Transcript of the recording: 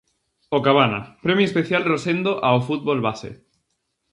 O Cabana, premio especial Rosendo ao fútbol base.